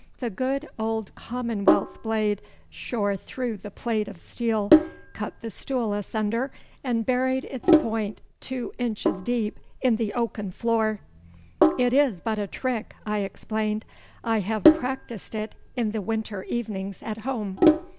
The good old Commonwealth blade shore through the plate of steel, cut the stool asunder, and buried its point two inches deep in the oaken floor. 'It is but a trick,' I explained. 'I have practised it in the winter evenings at home.